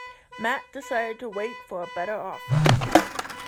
Matt decided to wait for a better offer.